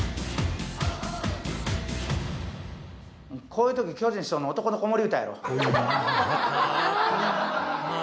こういうとき巨人師匠の「男の子守唄」やろう。